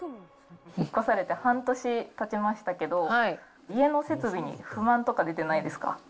引っ越されて半年たちましたけど、家の設備に不満とか出てないですか？